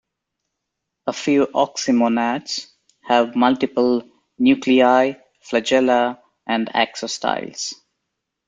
A few oxymonads have multiple nuclei, flagella, and axostyles.